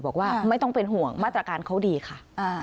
บอกว่าไม่ต้องเป็นห่วงมาตรการเขาดีค่ะ